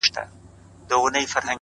خوښې غواړو غم نه غواړو عجيبه نه ده دا!!